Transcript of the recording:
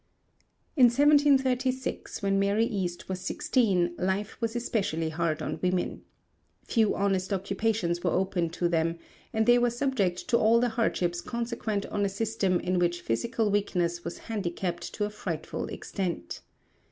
In 1736, when Mary East was sixteen, life was especially hard on women. Few honest occupations were open to them, and they were subject to all the hardships consequent on a system in which physical weakness was handicapped to a frightful extent.